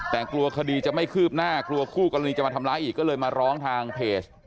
แต่กลัวคดีจะไม่คืบหน้ากลัวคู่กรณีจะมาทำร้ายอีกก็เลยมาร้องทางเพจ